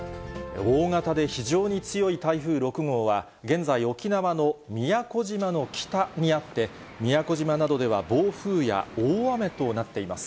大型で非常に強い台風６号は、現在、沖縄の宮古島の北にあって、宮古島などでは暴風や大雨となっています。